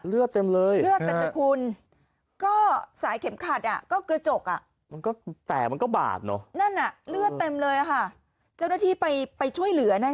เลือดเต็มเลย